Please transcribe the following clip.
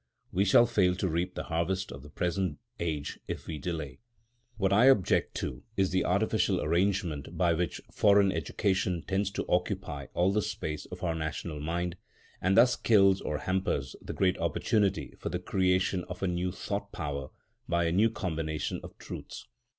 We shall fail to reap the harvest of the present age if we delay. What I object to is the artificial arrangement by which foreign education tends to occupy all the space of our national mind, and thus kills, or hampers, the great opportunity for the creation of a new thought power by a new combination of truths.